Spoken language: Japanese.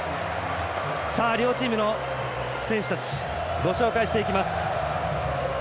両チームの選手たちをご紹介していきます。